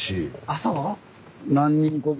あそう？